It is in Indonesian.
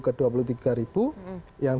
ke dua puluh tiga ribu yang